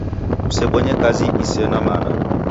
Kusebonye kazi isena mana